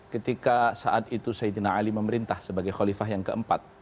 ketika saat itu sayyidina ali memerintah sebagai khalifah yang keempat